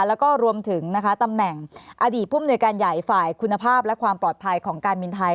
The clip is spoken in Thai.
แล้วก็รวมถึงตำแหน่งอดีตผู้มนวยการใหญ่ฝ่ายคุณภาพและความปลอดภัยของการบินไทย